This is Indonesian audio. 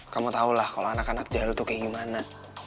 kamu tahu lah kalau anak anak jalan tuh kayak gimana